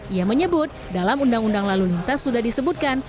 ia menyebut dalam undang undang lalu lintas sudah disebutkan